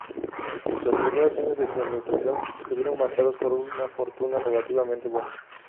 Los primeros años de su administración estuvieron marcados por una fortuna relativamente buena.